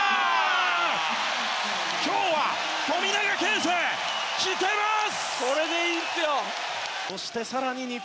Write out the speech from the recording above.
今日は、富永啓生きてます！